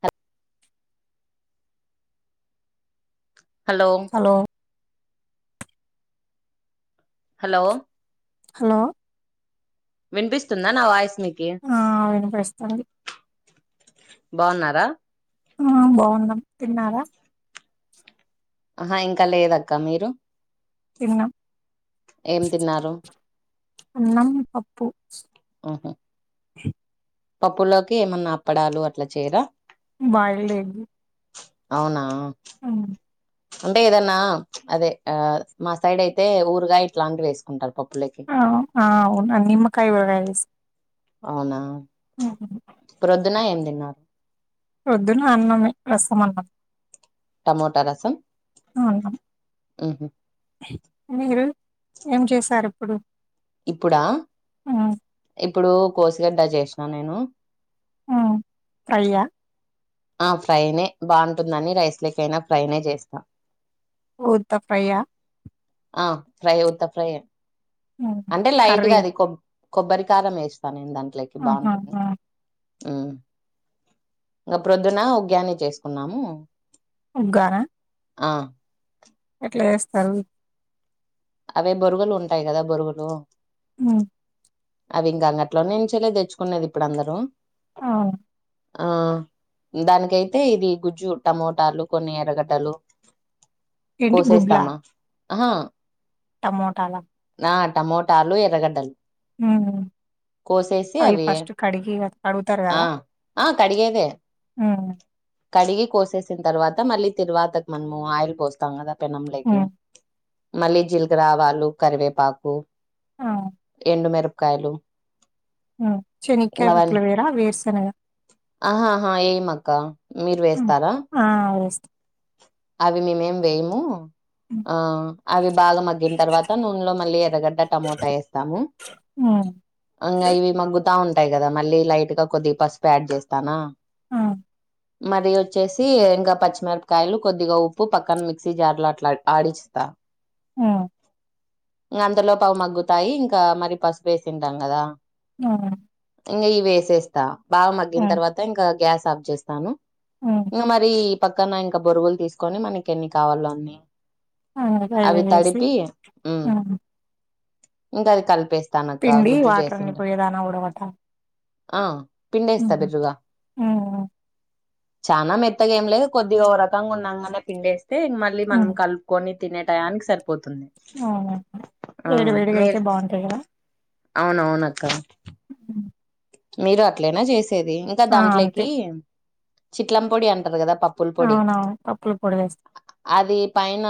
Hot hello hello hello వినిపిస్తుందా నా voice మీకు ఆ వినిపిస్తుంది బాగున్నారా ఆ బాగున్నాం తిన్నారా ఆహా ఇంకా లేదక్క మీరు తిన్నాం ఏం తిన్నారు అన్నం పప్పు ఆహా చె పప్పులోకి ఏమన్నా అప్పడాలు అట్లా చేయరా బాయిల్డ్ ఎగ్ అవునా ఉమ్ అంటే ఏదన్నా అదే ఆ మా సైడ్ అయితే ఊరుగా ఇట్లాంటివి వేసుకుంటారు పప్పు ఆ ఆ అవును నిమ్మకాయ ఊర అవునా ప్రొద్దున ఏం తిన్నారు పోద్దున అన్నమే రసం అన్నం టమోటా రసం అవున్నాం ఉహు మీరు ఏం చేశారు ఇప్పుడు ఇప్పుడా ఉమ్, ఇప్పుడు కోసిగడ్డ చేసినా నేను ఫ్రై ఆ ఆ ఫ్రై నే బాగుంటుందని రైస్ లేకయినా ఫ్రైనే చేస్తాం ఓత ఫ్రై ఆ ఆ ఫ్రై అవుతా ఫ్రై అ ఉమ్. అంటే కర్రీ లైట్గా అది కొబ్ కొబ్బరి కారం వేస్తా నేను దాంట్లోకి ఆహా బాగుంటుంది ఆ. ఇంకా ప్రొద్దున ఉగాయాన్ని చేసుకున్నాము ఊగన ఆ ఎట్ల చేస్తారు అవే బొరుగులు ఉంటాయి కదా బొరుగులు మ్ము అవి ఇంకా అంగట్లోనేనుంచలే తెచ్చుకునేది ఇప్పుడు అందరూ అవును ఆ దానికైతే ఇది గుజ్జు టమోటాలు కొన్ని ఎరగడలు కోసేస్తామా ఆహా టమోటాల ఆ టమోటాలు ఎరగడ్డలు ఉమ్ అవి ఫస్ట్ కడిగి క కడుగుతారు ఆ కదా ఆ కడిగేదే కడిగి కోసేసిన తర్వాత మళ్ళీ తిరువాతకి మనము ఆయిల్ కోస్తాం కదా ఉమ్. పెనంలకి మళ్ళీ జీలక్రావాలు కరివేపాకు ఆ! ఎండు మిరపకాయలు ఇంగ శనికాయ పప్పుల అవన్నీ వేరా వేరుసనగా ఆహాహా ఏమక్క మీరు హ్మ్. వేస్తారా ఆ! వేస్తా. అవి మేమేం వేయము హ్మ్. ఆ అవి బాగా మగ్గిన తర్వాత నూనెలో మళ్ళీ ఎరగడ్డ టమోటా వేస్తాము ఉ ఇకా ఇవి మగ్గుతా ఉంటాయి కదా మళ్ళీ లైట్ గా కొద్దిగా పసుపు యాడ్ చేస్తానా ఆ మరి వచ్చేసి ఇంకా పచ్చిమిరపకాయలు కొద్దిగా ఉప్పు పక్కన మిక్సీ జార్ లో అట్లా ఆడిస్త ఆ అంతలోపు అవి మగ్గుతాయి ఇంకా మరి పసుపే సింటాం కదా ఆ ఇంకా ఇవి వేసేస్తా బాగా మగ్గిన తర్వాత ఇంకా గ్యాస్ ఆఫ్ చేస్తాను హ్మ్. ఇంకా మరి పక్కన ఇంకా బొరుగులు తీసుకొని మనకి ఎన్ని కావాలో అన్ని ఆనపకాయలు అవి వేసి తడిపి ఉ హ్మ్. ఇంకా అది కలిపేసి తనక పిండి గుజ్జు వాటరన్ని చేసిండ పోయేదానా ఉడకబెట్టాలి. ఆ హ్మ్. పిండేస్తా బిర్రుగా హ్మ్. చానా మెత్తగా ఏం లేదు కొద్ది ఓరకంగా ఉన్నాంగానే పిండేస్తే మళ్ళీ మనం హ్మ్. కలుపుకొని తినే టయానికి సరిపోతుంది అవునండి. ఆ వేడి వేడిగా అయితే మీరు బావుంటాయి అవునవునక్క అ మీరు అట్లేనా చేసేది ఇంకా అంతే. దాంట్లోకి చిట్లం పొడి అంటారు కదా పప్పుల పొడి అవునవును. పప్పుల పొడి వేస్తాం. అది పైన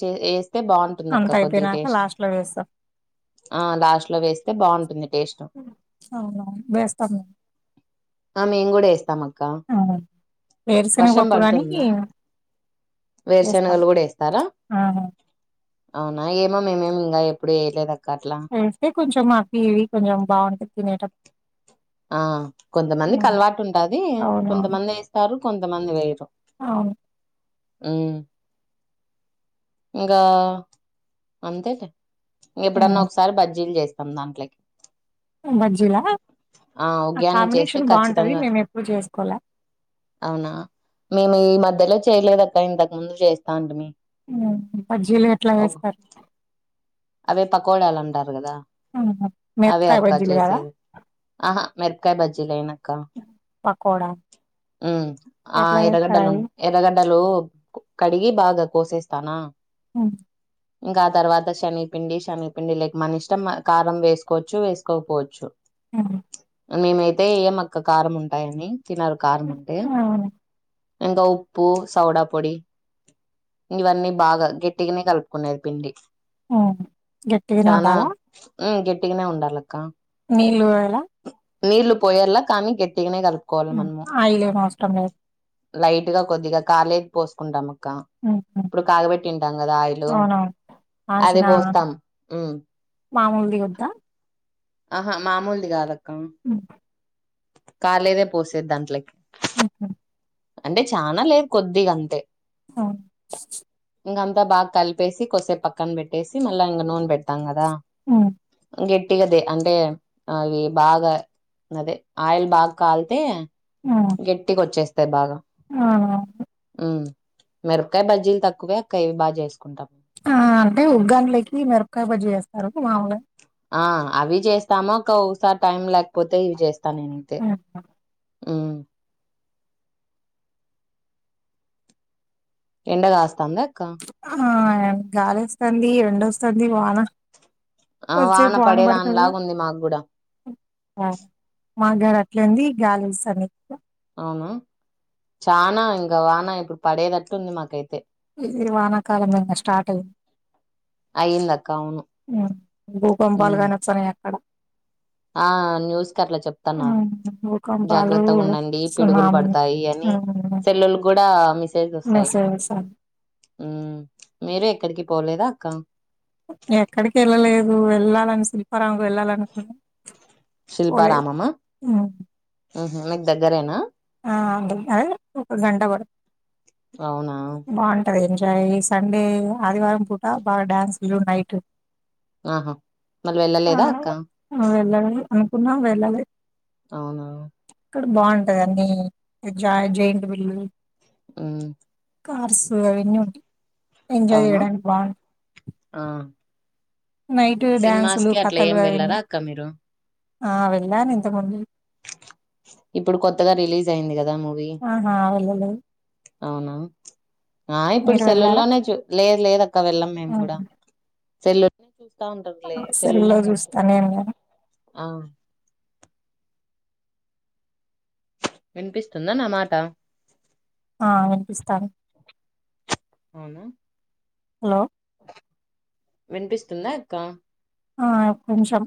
చే ఎస్ బాగుంటుంది అక్క అంతా కొద్దిగా అయిపోయినాక టేస్ట్ లాస్ట్‌లో వేస్తాం. ఆ లాస్ట్ లో వేస్తే బాగుంటుంది టేస్ట్ అవునవును వేస్తాం మేము మేము కూడా ఏస్తాం అక్క వేరుశనగ వర్షం పప్పు గానీ పడుతుంద వేస్తాం. వేరుశనగలు కూడా ఎస్తారా ఆహా! అవునా ఏమో మేమేమి ఇంకా ఎప్పుడు ఏయలేద వేస్తే కొంచెం అవి ఇవి కొంచెం బాగుంటది తినేటప్ ఆ కొంతమందికి హ్మ్. అలవాటు ఉంటది అవునవును. కొంతమంది వేస్తారు కొంతమంది వేయరు అవును ఇంగ అంతేలే ఇంక ఎప్పుడన్నా హ్మ్. ఒకసారి బజ్జీలు చేస్తాం దాంట్లోకి బజ్జిలా ఆ ఉగ్యాన్ని చేస్తే కాంబినేషన్ బాగుంటది ఖచ్చితంగా మేము ఎప్పుడు చేసుకోల అవునా మేము ఈ మధ్యలో చేయలేదక్క ఇంతకు ముందు చేస్తా అంటిమీ బజ్జీలు ఎట్లా వేస్తారు అవే పకోడాలు అంటారు కదా హుహు. అవే మిరపకాయ అక్క బజ్జీలు గదా! చేసేది ఆహా మిరపకాయ బజ్జిలైనా అక్క పకోడా ఉ ఆ ఎట్లా ఎర్రగడ్డలు జేస్తారవి? ఎర్ర లు కడిగి బాగా కోసేస్తానా అ ఇంకా ఆ తర్వాత శనిగపిండి శనిగపిండి లేక మనిష్టం కారం వేసుకోవచ్చు వేసుకోకపోవచ్చు ఆ మేమైతే ఏయం అక్క కారం ఉంటాయని తినారు కారం ఉంటే అవును. ఇంకా ఉప్పు సౌడా పొడి ఇవన్నీ బాగా గట్టిగానే కలుపుకునేది పిండి హ్మ్. గట్టిగనే చనా ఉండాలా? గట్టిగానే ఉండాలక్క నీళ్లు పోయల నీళ్లు పోయల్ల కానీ గట్టిగానే కల్ కోవాలి హ్మ్. మనము ఆయిలేం అవసరం లేదు. లైట్గా కొద్దిగా కాలే పోసుకుంటాం అక్క హుహు. ఇప్పుడు కాగబెట్టింటాం కదా ఆయిలు అవునవును. అదే కాంచిన పో స్తం మామూలుది వద్దా ఆహా మామూలుది కాదక్క హ్మ్. కాలేదే పోసేది దాంట్లకి అహా అంటే చానా లేదు కొద్దిగా అంతే హ ఇంగ అంతా బాగా కలిపేసి కొసేపు పక్కన పెట్టేసి మళ్ళా ఇంగ నూనె పెడుతాం కదా ఆ గట్టిగది అంటే అ అవి బాగా అదే ఆయిల్ బాగా కాలితే గట్టిగోచ్చేస్తాయి బాగా ఆహా మ్ మిరకాయ బజ్జీలు తక్కువే అక్కయివి బా బాగా చేస్ ఆ అంటే ఉగ్గాంనిలకి మిరపకాయ బజ్జి చేస్తారు మాములుగా ఆ అవి చేస్తాము ఒకోసారి టైం లేకపోతే ఇవి చేస్ స్త నినైతె హ్మ్. మ్ ఎండ కాస్తాందా అక్క ఆ గాలోస్థంది ఎండోస్థాంది వన ఆ వాన కొద్దిసేపు వన పడే పడుతది దానిలాగా ఉంది మాకు కూడా మా కడ అట్లంది గాలేస్థాంది ఎక్కువ అవునా చానా ఇంకా వానా ఇప్పుడు పడేదట్టు ఉంది మాకైతే ఇది వానాకాలం ఇంగ స్టార్ట్ అఇంది అయ్యిందక్క అవును మ్ భూకంపాలు ఉమ్ గాని వస్తనయి అక్కడ ఆ న్యూస్ కట్లా చెప్తున్నారు హ్మ్. భూకంపాలు జాగ్రత్తగా ఉండండి పిడుగులు సునామీ పడుతాయని హ్మ్. సెళ్ళులకు కూడా మేసేజ్ వస్తాయి మెసేజెస్ మ్ మీరు ఎక్కడికి పోలేద అక్క ఎక్కడికి వెళ్ళలేదు వెళ్ళాలని శిల్పారామంకి వెళ్ళాలనుకున్నా పోలేదు శిల్పారామమ హ్మ్. అహ మీకు దగ్గరేనా ఆ ద్ అదే ఒక గంట పడ్ అవునా ఇగ ఈ సండే ఆదివారం పుటా బాగా డ్యాన్స్ లు నైట్ ఆహా మరి వెళ్ళలేదా అక్క మ్ అనుకున్నా వెళ్ళ లెద్ అవునా అక్కడ బాగుంటదండి జా జైంట్ విల్లు మ్ కార్స్ అవన్నీ ఉం ఎంజాయ్ అవునా చేయడానికి బాగుం ఆ నైట్ సినిమాస్ డ్యాన్సులు కి అట్లా ఏం కథలు అవన్ని వెళ్ళరా అక్క మీరు ఆ వెళ్ళాను ఇంత ముందు ఇప్పుడు కొత్తగా రిలీజ్ అయింది కదా మూవీ ఆహా వెళ్ళలేదు అవునా ఆ ఇప్పుడు మీరు వెళ్ళారా సెళ్ళుల్లోనే చూ లేదు లేదు అక్క వెళ్ళాం మేము కూడా సేల్లుల్ చూస్తా ఉంటారులే సేల్లుల్లో సెల్లో చూస్తాను ఏం గాని ఆ వినిపిస్తుందా నామాట ఆ వినిపిస్థాంది అవునా హలో వినిపిస్తుందా అక్క ఆ కొంచెం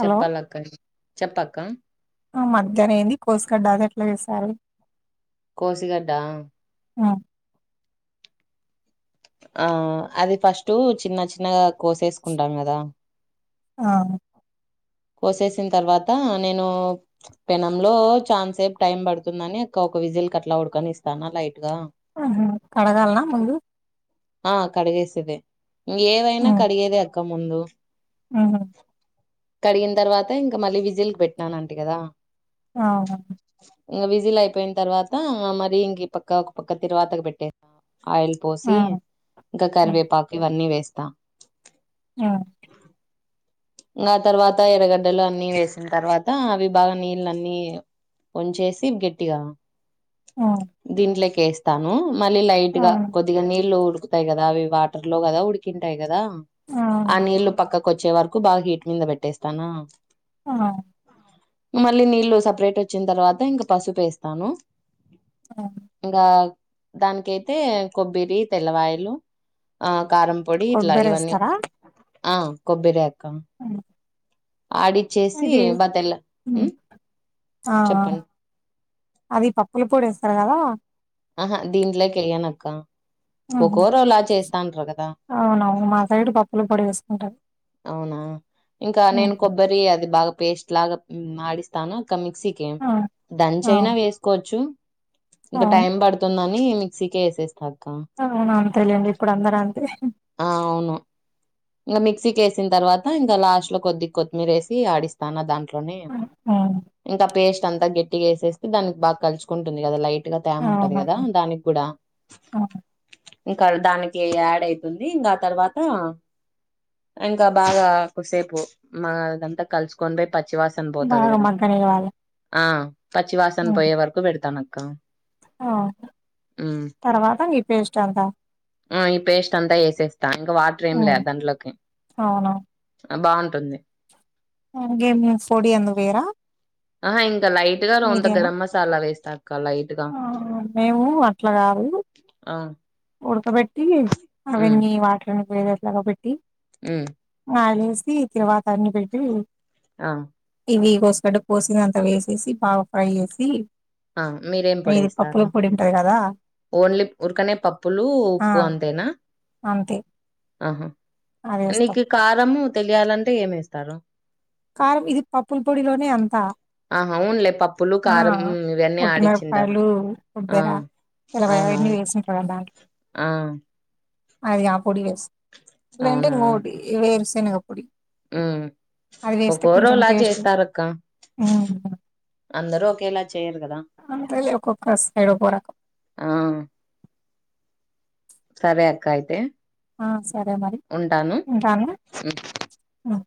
హలో చెప్పాలక్క చెప్పక్క ఆ మధ్యలేంది కోస్గాడ్ అది ఎట్లా చేస్తారు కోశిగడ్డ ఆ ఆ అది ఫస్టు చిన్న చిన్నగా కోసేసుకుంటాం కదా ఆ కోసేసిన తర్వాత నేను పెనంలో చాన్సేపు టైం పడుతుందని అక్క ఒక విజిల్ కట్లా ఉడుకనిస్తా అలా ఆహా కడగల్నా ముందు ఆ కడిగేసేదేఇహ ఇంగ ఏవైనా కడిగేదే అక్క ముందు ఉమ్మ్ కడిగిన తర్వాత ఇంకా మళ్ళీ విజిల్‌కి పెట్టినాను అంటి కదా ఆ ఆ ఇంగ విజిల్ అయిపోయిన తర్వాత మరీ ఇంక ఈ పక్క ఒక పక్క తిరువాతకు పెట్టే ఆయిల్ ఆ పోసి ఇంకా ఆ కరివేపాకు ఇవన్నీ వేస్తా ఆ ఇంగ ఆ తర్వాత ఎరగడ్డలు అన్ని వేసిన తర్వాత అవి బాగా నీళ్ళన్నీ వొంచేసి గట్టిగా ఆ దీంట్లేకి ఏస్తాను మళ్ళీ లైట్గా అవును కొద్దిగా నీళ్ళు ఉడు కుతాయి కదా అవి వాటర్లో కదా ఉడికింటాయి కదా అవును ఆ నీళ్లు పక్కకు వచ్చే వర కు బాగా హీట్ మీంద పెట్టేస్తానా ఆ మళ్ళీ నీళ్లు సపరేట్ వచ్చిన తర్వాత ఇంగ పసుపేస్తాను అవును. ఇంకా దానికైతే కొబ్బరి తెల్లవాయిలు ఆ కారం పొడి ఇట్లా ఇవన్నీ కొబ్బరేస్తారా ఆ కొబ్బరే అక్క ఆడిచ్చేసి అదే బతెల్ల ఉమ్మ్ ఉమ్ ఆ ఆ చెప్పండి అది పప్పుల పొడి ఏస్తారు కదా ఆహా దీంట్లోకి ఎయ్యను అక్క ఆహా అవునా మా సైడ్ పప్పుల పొడి ఏసుకుంటారు అవునా ఇంకా నేను కొబ్బరి అది బాగా పేస్ట్ లాగా ఆడిస్తాను క మిక్సీకి ఆ ఆ దంచైన వేసుకోవచ్చు ఇంక అవును టైం పడుతుంద ని మిస్సీకే ఏసేస్తాను అవును అంతేలేండి ఇప్పుడు అందరంతే ఆ అవును ఇంగ మిక్సీకేసిన తర్వాత ఇంకా లాస్ట్లో కొద్దిగా కొత్తిమీర ఏసి ఆడిస్తాను దాంట్లో హ్మ్. హ్మ్. ఇంకా పేస్ట్ అంతా గట్టిగా ఏసేస్తే దానికి బాగా కలుచుకుంటుంది కదా లైట్ గ తేమ ఉంటది కదా అవునవును దానికి కూడా అవును. ఇంకా దానికి యాడ్ అయితుంది ఇంకా ఆ తర్వాత ఇంకా బాగా కోసేపు మా అదంతా కలుసుకొని పచ్చి వాసన పోతది బాగా కదా మగ్గనివ్వాలి ఆ పచ్చి వాసన పోయే వరకు పెడతానక్క ఆ తర్వాత ఈ పేస్ట్ అంతా ఆ ఈ పేస్ట్ అంతా ఏసేస్తా ఇంకా వాటర్ ఏంలే దాంట్లో అవునా బాగుంటుంది పొడి అందుకు వేయరా ఆహా ఇంకా లైట్‌గా రోంత మీదేనా గరం మసాలా వేస్తా అక్క లైట్ గా ఆ! మేము అట్లా కాదు ఆ ఉడకబెట్టి అవన్నీ వాటరు అన్ని పోయేటట్ల పెట్టి ఉ ఆయ్లేసి తిరువాతా అన్ని పెట్టి ఆ ఇవి కోస్కడ్డ కోసిందింత వేసేసి బాగా ఫ్రై జేసి ఆ మీరేం పొడేస్తారు ఉంటది కదా ఓండ్లీ ఉరకనే పప్పులు ఆ ఉప్పు అంతేనా అంతే అహా అది వేస్తాం నీకి కారము తెలియాలంటే ఏమేస్తారు కారం ఇది పప్పుల పొడిలోనే అంతా ఆహ ఊండ్లే పప్పులు ఆ కారం మ్ ఇవెన్న ఆడిచ్చిండల్ల పొట్టిమిరపకాయలు ఆ కొబ్బెర తెల్లవాయ అవన్నీ అవునవును ఆ అదిగా పొడి వేస్ లేదంటే ఇంకోటి ఇ వేరుశెనగ పొడి ఉ అది వేస్తే కొంచెం ఒక్కోరోలాగ టేస్ట్ చేస్తారక్క హ్మ్ అందరు ఒకేలా చేయ్యరు గదా అంతేలే ఒక్కొక్క సైడ్ ఒక్కో రకం ఆ సరే అక్క ఐతే ఆ సరే మరి ఉంటాను ఉమ్ ఉ